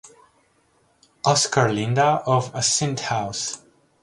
Oscar Linda of Assynt House.